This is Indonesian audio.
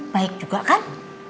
baik juga kan